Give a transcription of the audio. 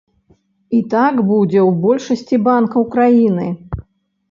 І так будзе ў большасці банкаў краіны.